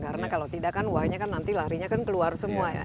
karena kalau tidak kan uangnya nanti larinya keluar semua